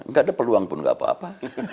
nggak ada peluang pun nggak apa apa